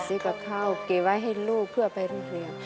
ซื้อกับข้าวกินไว้ให้ลูกเพื่อไปลูกเรียน